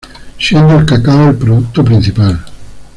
Siendo el cacao el producto principal.